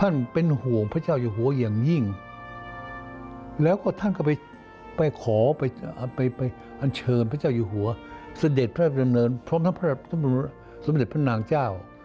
สเด็จพระพระเจริญเนินพร้อมทั้งพระสมเจษฐ์พระนางเจ้า